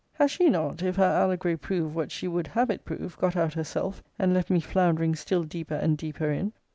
Has she not, if her allegory prove what she would have it prove, got out herself, and left me floundering still deeper and deeper in?